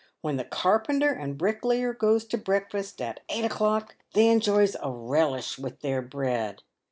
When the car penter and bricklayer goes to breakfast at eight o'clock, they enjoys a relish with their bread.